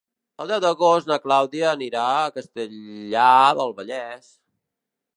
El deu d'agost na Clàudia anirà a Castellar del Vallès.